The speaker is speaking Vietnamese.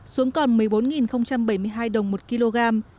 xuống còn một mươi bốn bảy mươi hai đồng một kg